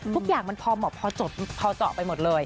ทุกอย่างมันพอเหมาะพอเจาะไปหมดเลย